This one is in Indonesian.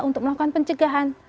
untuk melakukan pencegahan